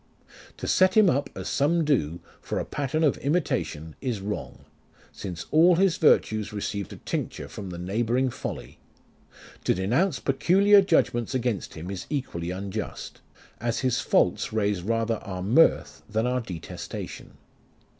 To set him up, as some do, for a pattern of imitation, is wrong, since all his virtues received a tincture from the neighbouring folly ; to denounce peculiar judgments against him is equally unjust, as his faults raise rather our mirth than our detestation.